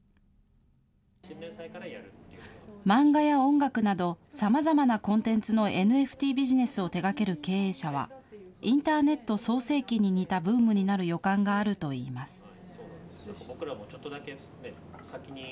漫画や音楽など、さまざまなコンテンツのＮＦＴビジネスを手がける経営者は、インターネット創世期に似たブームになる予感があるといいます。